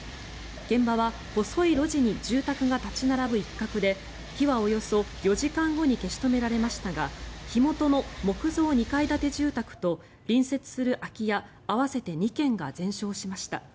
現場は細い路地に住宅が立ち並ぶ一角で火はおよそ４時間後に消し止められましたが火元の木造２階建て住宅と隣接する空き家合わせて２軒が全焼しました。